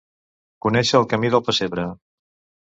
Conèixer el camí del pessebre.